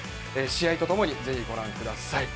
試合と共にぜひご覧ください。